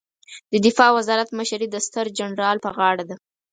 د دفاع وزارت مشري د ستر جنرال په غاړه ده